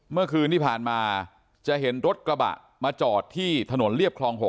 เมื่อคืนที่ผ่านมาจะเห็นรถกระบะมาจอดที่ถนนเรียบคลอง๖